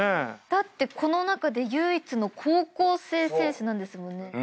だってこの中で唯一の高校生選手なんですもんね。